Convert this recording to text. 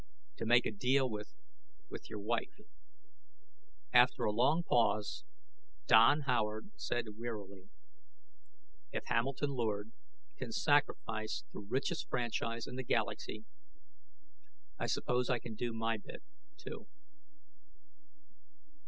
"To make a deal with with your wife." After a long pause, Don Howard said wearily, "If Hamilton Lord can sacrifice the richest franchise in the galaxy, I suppose I can do my bit, too."